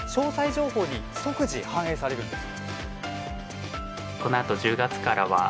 情報に即時、反映されるんです。